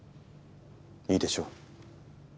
いいでしょう。